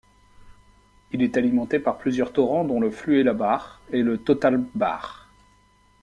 Il est alimenté par plusieurs torrents dont le Flüelabach et le Totalpbach.